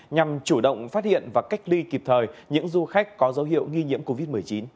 nhằm chủ động phát hiện và cách ly kịp thời những du khách có dấu hiệu nghi nhiễm covid một mươi chín